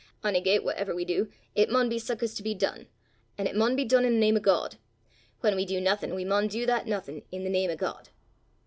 Onygait, whatever we du, it maun be sic as to be dune, an' it maun be dune i' the name o' God; whan we du naething we maun du that naething i' the name o' God.